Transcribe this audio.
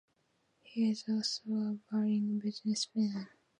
He is also a budding businessman.